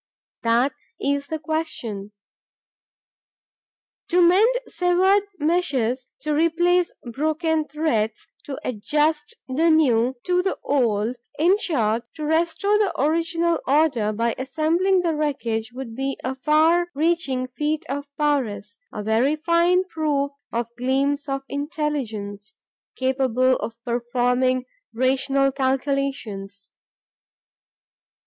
That is the question. To mend severed meshes, to replace broken threads, to adjust the new to the old, in short, to restore the original order by assembling the wreckage would be a far reaching feat of prowess, a very fine proof of gleams of intelligence, capable of performing rational calculations.